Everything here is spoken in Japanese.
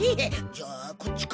じゃあこっちか。